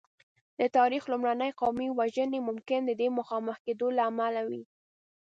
د تاریخ لومړنۍ قومي وژنې ممکن د دې مخامخ کېدو له امله وې.